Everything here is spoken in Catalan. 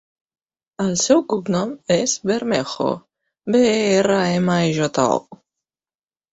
El seu cognom és Bermejo: be, e, erra, ema, e, jota, o.